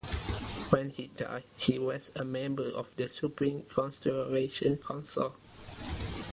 When he died he was a member of the supreme consistorial council.